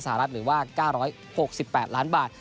รัฐหรือว่า๙๖๘ล้านบาท